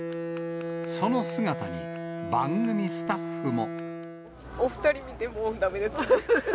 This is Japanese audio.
その姿に、番組スお２人見て、もうだめです。